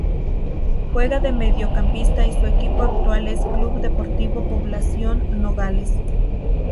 Juega de mediocampista y su equipo actual es Club Deportivo Población Nogales.